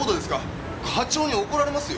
課長に怒られますよ。